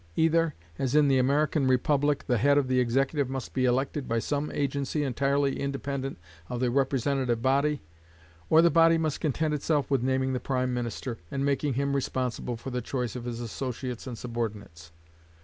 Either, as in the American republic, the head of the executive must be elected by some agency entirely independent of the representative body; or the body must content itself with naming the prime minister, and making him responsible for the choice of his associates and subordinates.